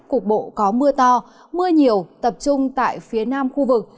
cục bộ có mưa to mưa nhiều tập trung tại phía nam khu vực